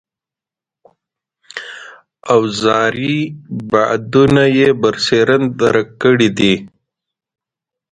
اوزاري بعدونه یې برسېرن درک کړي دي.